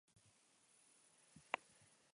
Maisu handiak izan ditugu bosgarren edizio honetan.